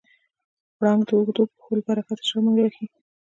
پړانګ د اوږدو پښو له برکته ژر منډه وهي.